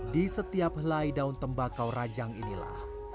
di setiap helai daun tembakau rajang inilah